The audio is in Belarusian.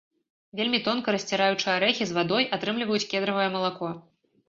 Вельмі тонка расціраючы арэхі з вадой атрымліваюць кедравае малако.